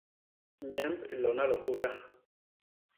Nyemb i lona lihôya.